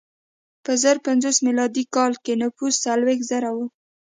په زر پنځوس میلادي کال کې نفوس څلوېښت زره و.